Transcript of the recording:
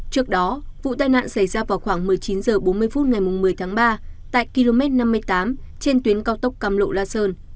trước đó vụ tai nạn xảy ra vào khoảng một mươi chín h bốn mươi phút ngày một mươi tháng ba tại km năm mươi tám trên tuyến cao tốc cam lộ la sơn